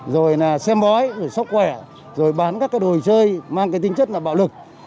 rồi xem bói sốc khỏe rồi bán các đồ chơi mang tính chất bạo lực